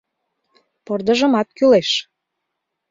— Пырдыжымат кӱлеш!